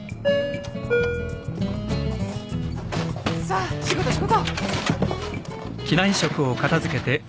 さあ仕事仕事！